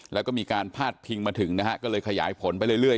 แล้วก็มีการพาดพิงมาถึงนะฮะก็เลยขยายผลไปเรื่อย